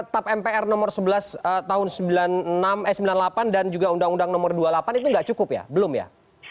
jadi mpr nomor sebelas tahun seribu sembilan ratus sembilan puluh delapan dan juga undang undang nomor dua puluh delapan itu gak cukup ya belum ya